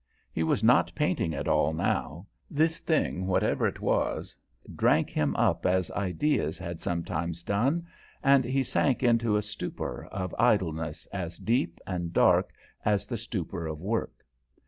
He was not painting at all now. This thing, whatever it was, drank him up as ideas had sometimes done, and he sank into a stupor of idleness as deep and dark as the stupor of work.